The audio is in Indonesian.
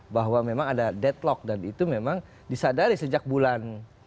bahwa memang ada deadlock dan itu memang disadari sejak bulan